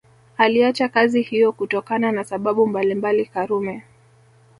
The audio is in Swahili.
Aliacha kazi hiyo kutokana na sababu mbalimbali Karume